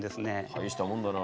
大したもんだな。